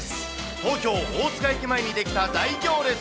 東京・大塚駅前に出来た大行列。